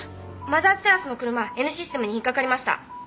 マザーズテラスの車Ｎシステムに引っかかりました。